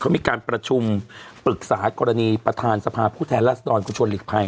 ไม่ใช่ก็บอกเลื่อนไปวันที่๑๔